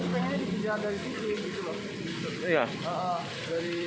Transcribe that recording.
pengennya di jalan dari sini